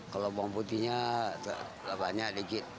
kalau bawang putihnya banyak dikit